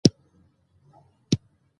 افغانستان د واوره د ساتنې لپاره قوانین لري.